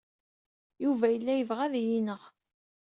Yuba yella yebɣa ad iyi-ineɣ.